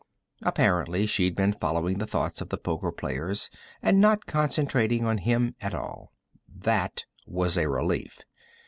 Apparently she'd been following the thoughts of the poker players, and not concentrating on him at all. That was a relief.